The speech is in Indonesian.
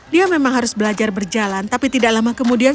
dia memang harus belajar berjalan tapi tidak lama kemudian